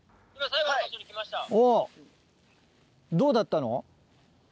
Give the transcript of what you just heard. おうどうだったの？